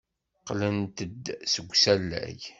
Qqlent-d seg usalay.